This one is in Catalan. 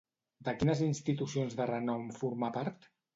De quines institucions de renom formà part?